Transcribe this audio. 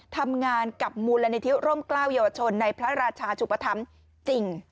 ทำงานกับมูลนิธิร่มกล้าวเยาวชนในพระราชุปธรรมจริง